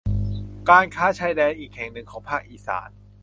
การค้าชายแดนอีกแห่งหนึ่งของภาคอีสาน